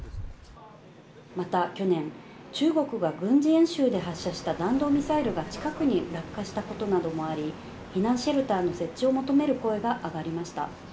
また去年、中国が軍事演習で発射した弾道ミサイルが近くに落下したことなどもあり、避難シェルターの設置を求める声が上がりました。